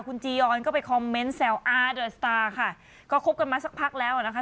คุณจียหญิจะไปคอมเม้นแสวอาร์เดอร์สตาร์ก็ครบกันมาสักพักแล้วนะคะ